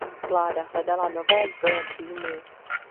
Vláda hledala nové zdroje příjmů.